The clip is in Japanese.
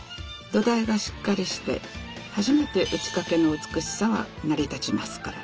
土台がしっかりして初めて打掛の美しさは成り立ちますから。